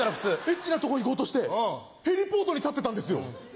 エッチなとこ行こうとしてヘリポートに立ってたんですよ。